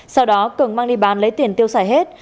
sau đó cường mang đi bán lấy tiền tiêu xài hết